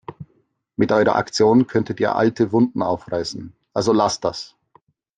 Mit eurer Aktion könntet ihr alte Wunden aufreißen, also lasst das!